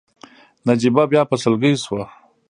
نجيبه بيا په سلګيو شوه.